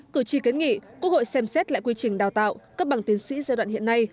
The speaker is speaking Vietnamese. cử tri kiến nghị quốc hội xem xét lại quy trình đào tạo cấp bằng tiến sĩ giai đoạn hiện nay